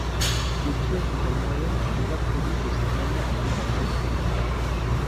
Des pièces de tailles moyennes sont déjà produites de cette manière en laboratoire.